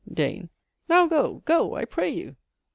DANE. Now go! Go, I pray you."